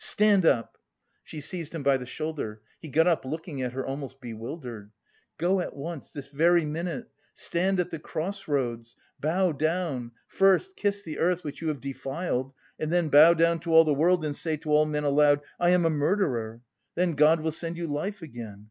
"Stand up!" (She seized him by the shoulder, he got up, looking at her almost bewildered.) "Go at once, this very minute, stand at the cross roads, bow down, first kiss the earth which you have defiled and then bow down to all the world and say to all men aloud, 'I am a murderer!' Then God will send you life again.